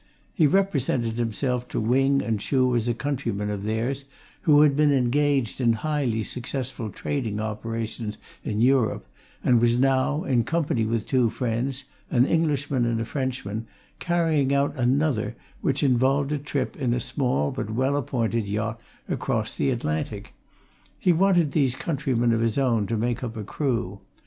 He represented himself to Wing and Chuh as a countryman of theirs who had been engaged in highly successful trading operations in Europe, and was now, in company with two friends, an Englishman and a Frenchman, carrying out another which involved a trip in a small, but well appointed yacht, across the Atlantic: he wanted these countrymen of his own to make up a crew.